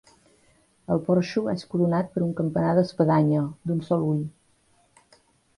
El porxo és coronat per un campanar d'espadanya, d'un sol ull.